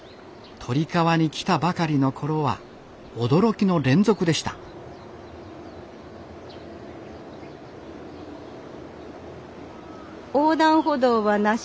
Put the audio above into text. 鳥川に来たばかりの頃は驚きの連続でした横断歩道はなし。